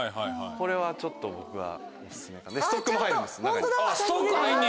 これはちょっと僕はオススメ。